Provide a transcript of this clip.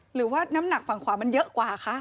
หรือว่าน้ำหนักฝั่งขวามันเยอะกว่าคะ